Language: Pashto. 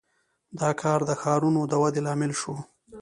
• دا کار د ښارونو د ودې لامل شو.